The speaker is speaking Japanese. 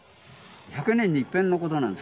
１００年にいっぺんのことなんです。